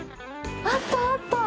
あったあった！